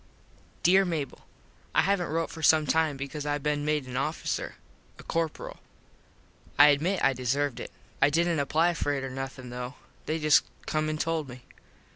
Dere Mable: I havnt rote for some time because I been made an officer. a corperal. I admit I deserved it. I didnt apply for it or nothin though. They just come and told me.